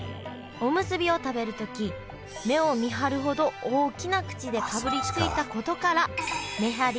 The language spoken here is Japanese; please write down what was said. おむすびを食べるとき目をみはるほど大きな口でかぶりついたことからめはり